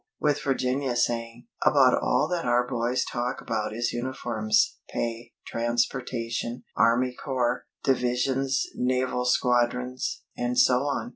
With Virginia saying: "About all that our boys talk about is uniforms, pay, transportation, army corps, divisions, naval squadrons, and so on."